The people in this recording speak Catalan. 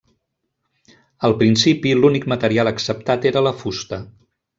Al principi l'únic material acceptat era la fusta.